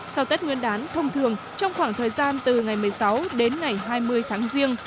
sau tết nguyên đán thông thường trong khoảng thời gian từ ngày một mươi sáu đến ngày hai mươi tháng riêng